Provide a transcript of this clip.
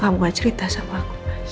kena apa kamu gak cerita sama aku mas